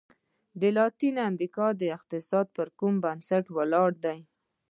د لاتیني امریکا اقتصاد پر کومو بنسټونو ولاړ دی؟